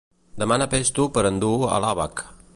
Demana pesto per endur a l'ABaC.